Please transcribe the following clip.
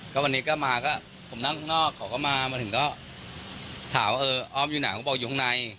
ก็วันนี้ก็มาก็ผมนั่งข้างนอกเขาก็มามาถึงก็ถามว่าเออออฟอยู่ไหนก็บอกอยู่ข้างใน